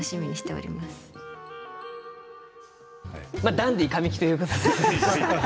ダンディー神木ということで。